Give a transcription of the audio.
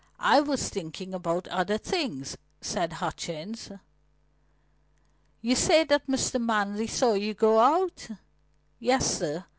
I was thinking about other things," said Hutchings. "You say that Mr. Manley saw you go out?" "Yes, sir.